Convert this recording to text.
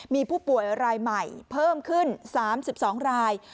มีผู้ป่วยรายใหม่เพิ่มขึ้น๓๒ราย